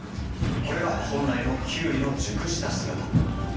これが本来のキュウリの熟した姿。